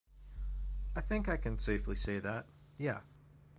I think I can safely say that, yeah.